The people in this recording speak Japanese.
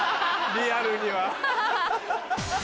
リアルには。